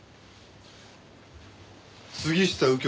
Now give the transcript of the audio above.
杉下右京